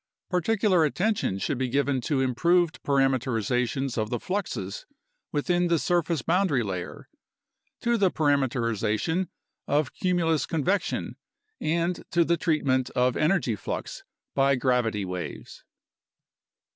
Particular attention should be given to improved parameterizations of the fluxes within the surface boundary layer, to the parameterization of cumulus convection, and to the treatment of energy flux by gravity waves.